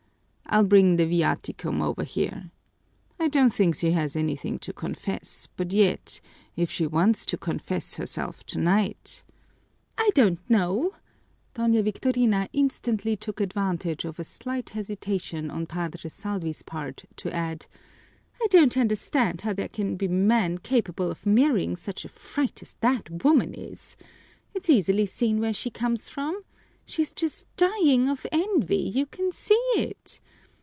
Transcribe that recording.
I'll bring the viaticum over here. I don't think she has anything to confess, but yet, if she wants to confess herself tonight " "I don't know," Doña Victorina instantly took advantage of a slight hesitation on Padre Salvi's part to add, "I don't understand how there can be men capable of marrying such a fright as that woman is. It's easily seen where she comes from. She's just dying of envy, you can see it!